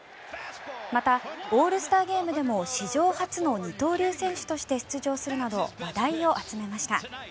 また、オールスターゲームでも史上初の二刀流選手として出場するなど話題を集めました。